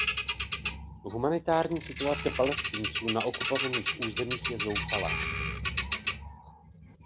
Humanitární situace Palestinců na okupovaných územích je zoufalá.